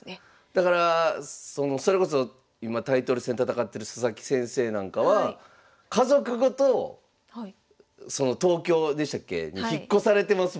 だからそれこそ今タイトル戦戦ってる佐々木先生なんかは家族ごとその東京でしたっけ？に引っ越されてますもんね。